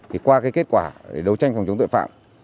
thì qua cái kết quả đấu tranh phòng chống tội phạm